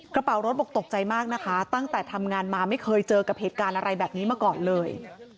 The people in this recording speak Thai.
กระเป๋ารถบอกตกใจมากนะคะตั้งแต่ทำงานมาไม่เคยเจอกับเหตุการณ์อะไรแบบนี้มาก่อนเลย